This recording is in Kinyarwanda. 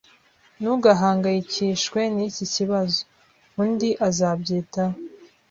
Ntugahangayikishwe niki kibazo. Undi azabyitaho